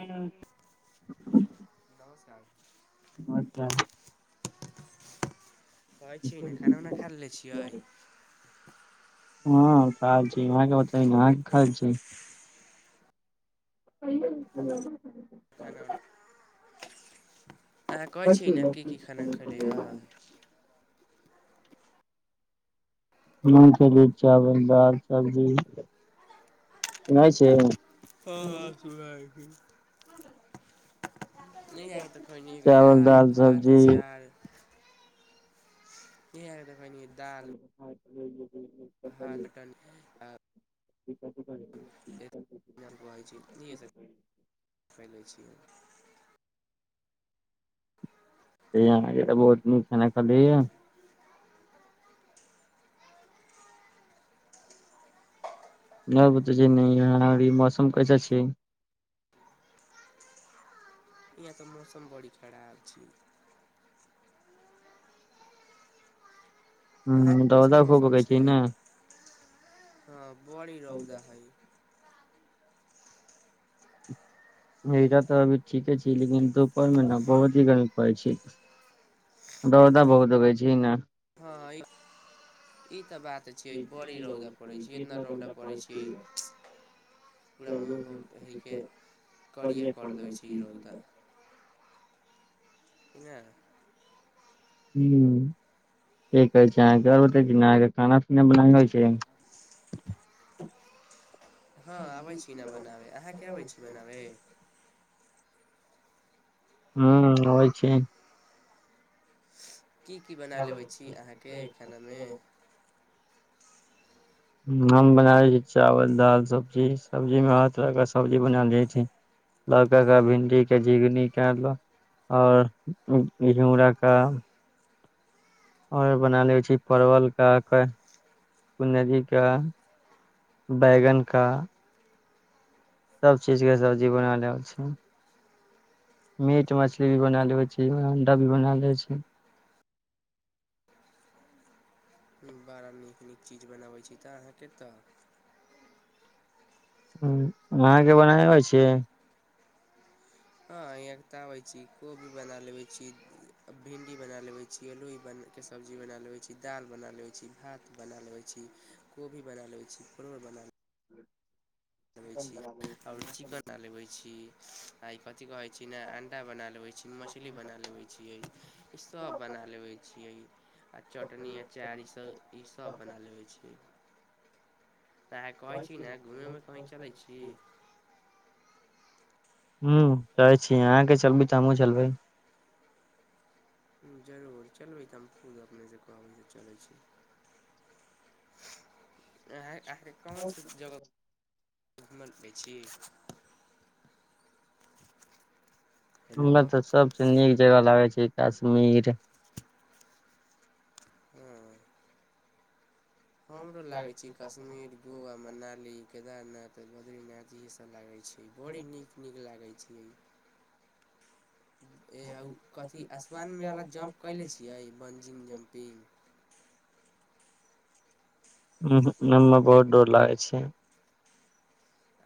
नमस्कार अच्छा कहै छियै ने खाना उना खै लेने छियै खेनाइ खा छी [unintelligible] खाना उना अहाँ कहै छीय ने की की खाना खैली ह मूगंफली चावल दाल सब्जी चिनहै छियै हँ हँ सु भ छै नहि भए तऽ खने दालि भात अचार [unintelligible] [unintelligible] भात कनी आ ठीके छै छी इ लै छी य तऽ बहुत नीक छै ने खाली नहि बत छै न याँभ ई मौसम कैसा छै यहाँ तऽ मौसम बड़ी खराब छै अहाँके कैसन मौसम छियै हँ बड़ी रौदा हइ नदा तऽ अभी ठीके छै लेकिन दुपहरमे ने बहुत ही गर्मी पड़ै छै रौदा बहुत अबै छै ने ह ई ई इना बात छै बड़ी रौदा पड़े छै इतना रौद पड़े छै ओरा मूँह होइ कऽ करिए करि दै छी ई रौदा [unintelligible] नहि हू ठ कहै छै अहाँ घर बतै छी खाना पीना बनाे होै छै [unintelligible] हँ आबै छी ने बनाबै अहाँके आबै छी बनाबै हू होइ छै की की बना लेबै छी अहाँके खानामे हम बना ले छी चावल दाल सब्जी सब्जी मे हर तरह के सब्जी बना ले छै लौका के भिंडी के झिंगनी करल आओर घिंगोरा का आओर बना लै छी परवलके का कुददीके बैगन का सभचीजके सबजी बना ल अबैछै मीट मछली भी बना लेबै छी अण्डा भी बना लै छी [unintelligible] नीक नीक चीज बनाबै छी तऽ अहाँके तऽ अहाँके बनाबे आबै छि हँ यहके तऽ आबै छी कोबी बना लेबै छी भिंडी बना लेेबै छी आलो के सब्जी बना लेबै छी दाल बना लेबै छी भात बना लेबै छी कि कोबी बना लै छी परवल बना लेबै छी आओर चिकन लेबै छी आ कथि कहै छै ने अंडा बना लेबै छी मछली बना लेबै छियै सब बना लेबै छियै आ चटनी अचार ईसभ ईसभ बना लेबै छी तऽ कहै छी ने घूमेमे कही चलै छी ह चलै छीय अहाँके चलबी तऽ हमहूँ चलबै [unintelligible] जरूर चलबै तऽ हम खुद अपनेसँ कहबै त चलै छी अह आके कोनस जगह घुमय ल जायछी हमरा तऽ सभसँ नीक जगह लागै छै कश्मीर हं हमरो लागै छी कश्मीर गोवा मनाली केदारनाथ बद्रीनाथ ईह सब लागै छै बड़ नीक नीक लागै छै कथी आसमानमेवाला जम्प कयले छियै बंजिंग जम्पिंग [unintelligible] ह नमे बहुत डर लागै छै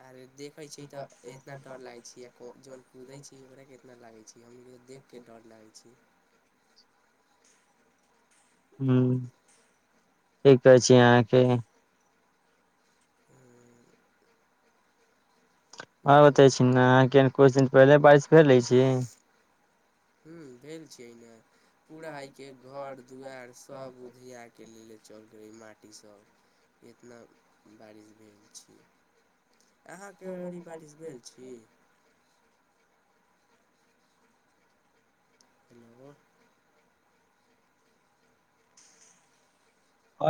आर देखे छी ते इतना डर लागे छी जोन कूदे छी ओराे के इतना लागे छै हम देख के डर लागै छी हूं कि कहै छी अहाँके आओर बतै छी ने कुछ दिन पहिले बारिश भेल रहै छी ह भेल छियैना पूरा ह के घर दुवार सब उधिया के लेले चल गेलै माटी सब एतना बारिश भेल छ अहाँके ओरी बारिश भेल छी हेलो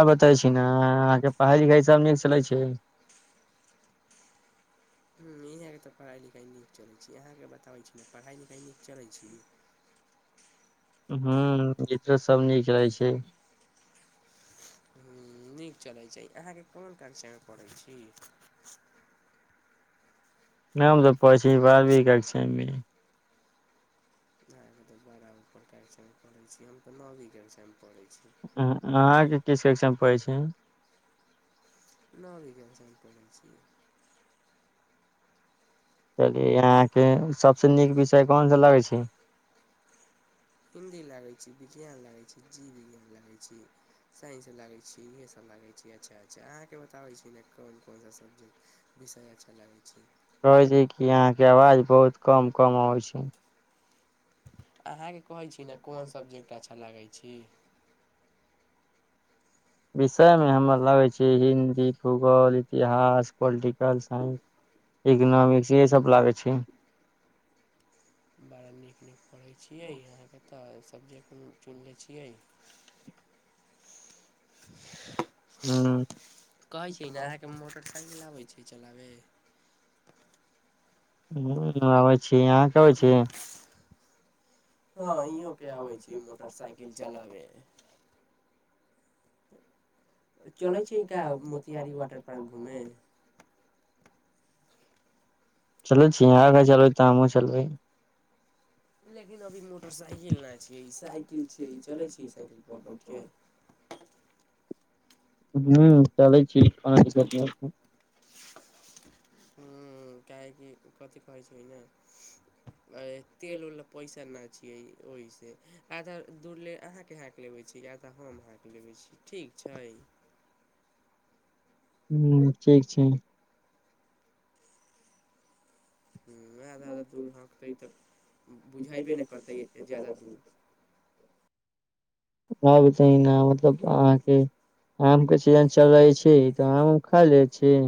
आओर बताबै छी न अहाँके पढ़ाइ लिखाइ सभ नीक चलै छै हूं के तऽ पढ़ाइ लिखाइ नीक चलैत छी अहाँके बताबैत छी पढ़ाइ लिखाइ नीक चलैत छी [unintelligible] ह्म ईधरो सभ नीक रहै छै ह्म नीक चलै छै अहाँके कोन कक्षा मे पढ़ै छी ना हम तऽ पढ़इ छी बारहवीं कक्षा मे आहा के तऽ बड़ा उपर कक्षा मे पढ़े छी हम तऽ नवी कक्षा मे पढ़े छी अहाँ अहाँके किस कक्षा मे पढ़े छै नबी कक्षा में पढ़े छी चलियै अहाँके सभसँ नीक विषय कोनसँ लगै छै हिन्दी लागै छी विज्ञान लागै छी जीव विज्ञान लागै छी साइंस लागै छी इएहसभ लागै छी अच्छा अच्छा अहाँकेँ बताबै छी ने कोन कोन सा सब्जेक्ट विषय अच्छा लागै छी कहै छै कि अहाँके आवाज बहुत कम कम अबै छै अहाँकेँ कहै छी ने कोन सब्जेक्ट अच्छा लागै छी विषय मे हमर लागै छै हिन्दी भू भूगोल इतिहास पोलिटिकल साइंस इकनाँमिक्स येह सब लागै छी बड़ा नीक नीक पढ़ै छियै अहाँके तऽ सब्जेक्ट चुन लै छियै [unintelligible] कहै छिय न अहाँके मोटरसाइकिल आबैत छै चलाबे हुं आबै छी आहाँ के आबै छी हँ ईहो के आबय छी मोटरसइकिल चलाबे चल छी तै हक बकी आी बटे खान चलै छी यहाँ आ क चलबै त हमू चलबै लेकिन अभी मोटरसाइकिल नहि छियै ई साइकिल छियै ई चलै छैै ई साइकिल पर बैठ क [unintelligible] हूं चलै छी आहा के देख काहेकि कथी कहै छै ने तेल उल ले पैसा न छियै ओहिसँ या तऽ दुर्ले अहाँके हाँक लेबै छी या तऽ हम हाँक लेबै छी ठीक छै [inaudible] हू ठीक छै वएह आधा आधा दूर हाकै तऽ बुझेबे ने करतै ज्यादा दूर [inaudible] आब चाही ना मतलब अहाँके आम के सीजन चल रहै छै तऽ आम उम खा ले छी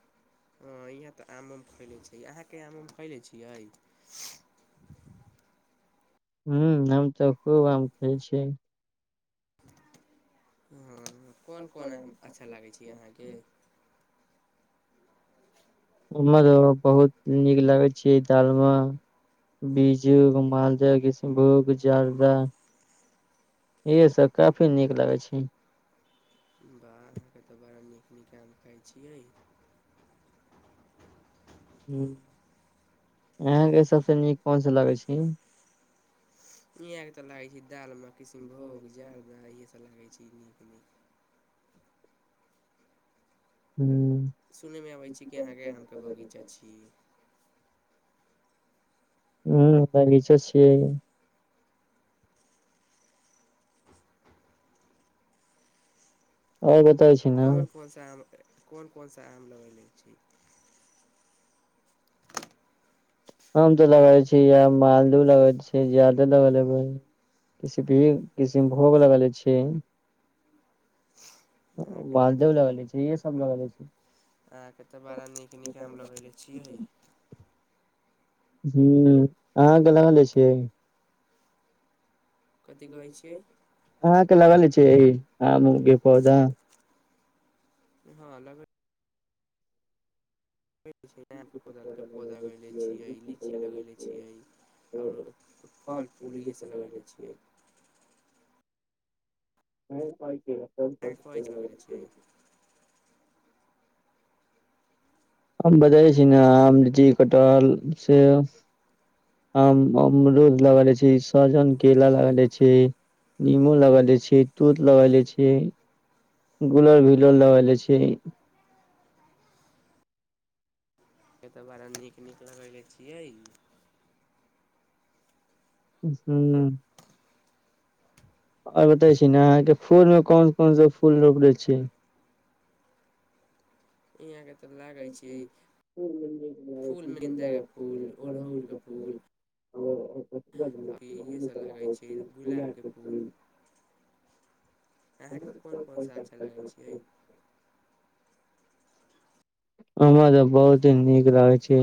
[inaudible] ह इहाँ तऽ आम उम खैले छै अहाँके आम उम खैले छियै [inaudible] हुं हम तऽ खूब आम खै छियै ह कोन कोन अहाँ के अच्छा लागै छै अहाँके ओमहर बहुत नीक लागैत छै डालमा बीजु मालदाह किष्णभोग जारदा बाह त तऽ बड़ा नीक निकाल खाइ छियै ह्म अहाँके सभसँ नीक कोनसा लगै छै यहँ के तऽ लागै छै दालमा किष्णभोग जारदा अच्छ लगै छैके नहि हू सुनयमे आबै छी कि अहाँके आमके बगीचा छी ह्म बगीचा छियै कोन कोन सा आम कोन कोन सा आम लगैले छी हम तऽ लगै छी यैह मालदह लगै छी जरदा लगा लेबै किसी भी किष्णभोग लगैले छियै मालदेव लगैले छी इसे सब लगैले छी अहाँके तऽ बड़ा नीक नीक आम लगैले छियै ह अहाँ त लगैले छियै अहाँके लगैले छियै आम उम के पौधा हँ लगै पौधा लग छियै लीची लगे छियै आरो फल फूल इहे सब लगैले छियै ओ भाय अहाँक‌‌ कहै छै लगने छियै हम बताबै छी न आम लिची कटहल सेब आम अमरूद लगै ले छी सजन केेला लगेले छी निंबो लगैले छी तुथ लगैले छी गुलर भिलर लगैले छी एहि तऽ बरा नीक नीक लगैले छियै हू और बतै छी ने अहाँके फूलमे कोन कोनसा फूल रोपले छी यहाँके तऽ लागै छियै फूल मिरिन्दाके फूल अड़हुलके फूल अ इहेसभ लागै छै गुलाबके फूल [unintelligible] हमरा तऽ बहुत नीक लागै छै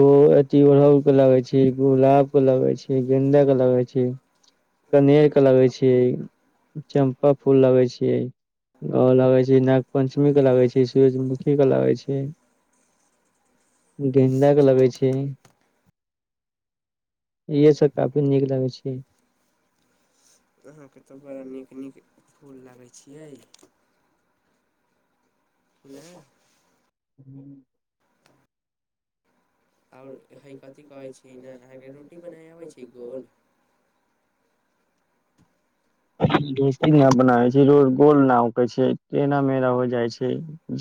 गो अथी के लगै छै गुलाब के लगै छी गेंदा के लगै छी कनेर के लगै छि चम्पा फूल लगै छियै और लगै छि नाग पञ्चमी के लगै छि सूरजमुखी क लागै छि गेंन्दाके लगै छी इहेसब काफी नीक लगै छि अहाँके तऽ बड़ा नीक नीक फूल लागै छियै ना हू आओर हइ कथि कहै छी ने अहाँके रोटी बनाय अबै छी गोल दस्ती न बनाै फर गोल ना होकै छै टेढ़ा मेढ़ा हो जाय छै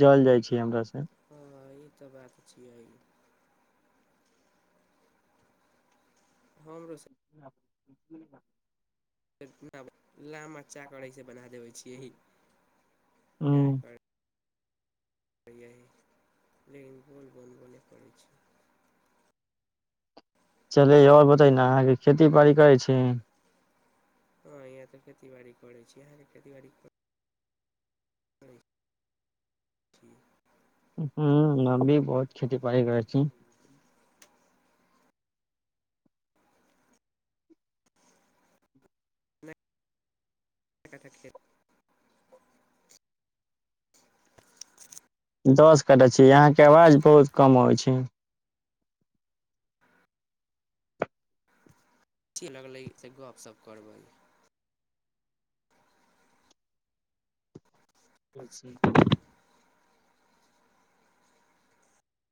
जल जाय छै हमरा से हँ ई तऽ बात छियै हम रोस [unintelligible] फ [unintelligible] लाचचा करै से बना देबे छियै ही क्य कर लेकिन बॉल बनब नहि पड़ै छै चले आओर बतै ने अहाँके खेती बाड़ी करै छी हँ यहाँ तऽ खेती बाड़ी करै छीयै खेती बाड़ी ठीक हू हम भी बहुत खेती बाड़ी करै छी थ दस कटा छिय यहाँके आवाज बहुत कम अबै छै अछी लगलै सेऽ गपशप करबै अच्छा